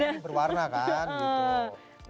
ini berwarna kan gitu